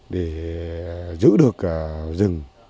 để giữ được rừng